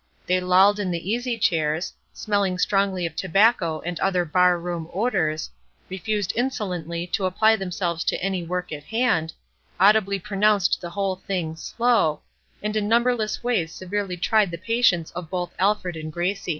They lolled in the easy chairs, smelling strongly of tobacco and other bar room odors, refused insolently to apply themselves to any work at hand, audibly pronounced the whole thing "slow," and in numberless ways severely tried the patience of both Alfred and Gracie.